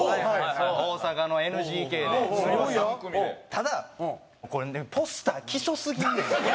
ただこれポスターきしょすぎんねん！